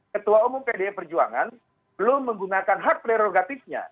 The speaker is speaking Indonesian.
ketua umum pdi perjuangan belum menggunakan hak prerogatifnya